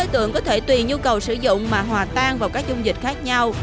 tuy nhiên nhu cầu sử dụng mà hòa tan vào các dung dịch khác nhau